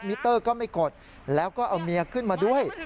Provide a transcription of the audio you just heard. มิเตอร์ก็ไม่กดแล้วก็เอาเมียขึ้นมาด้วย